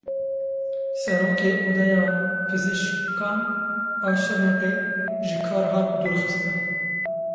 Serokê Odeya Pizîşkan a Şirnexê ji kar hat dûrxistin.